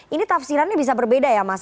ini tafsirannya bisa berbeda ya mas